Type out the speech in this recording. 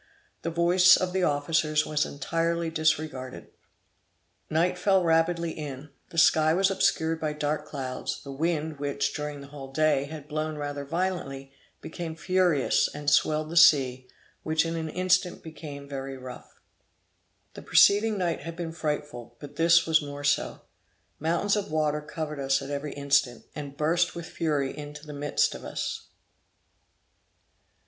The voice of the officers was entirely disregarded. Night fell rapidly in, the sky was obscured by dark clouds; the wind which, during the whole day, had blown rather violently, became furious and swelled the sea, which in an instant became very rough. The preceding night had been frightful, but this was more so. Mountains of water covered us at every instant, and burst with fury into the midst of us.